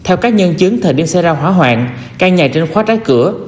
theo các nhân chứng thời điểm xảy ra hỏa hoạn căn nhà trên khóa trái cửa